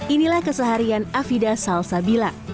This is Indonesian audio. inilah keseharian afida salsabila